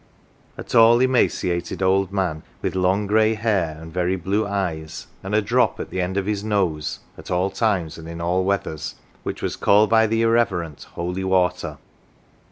A tall emaciated old man, with long grey hair and very blue eyes, and a drop at the end of his nose, at all times and in all weathers, which was called by the irreverent "holy water.""